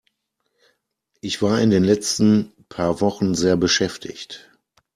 Ich war in den letzten paar Wochen sehr beschäftigt.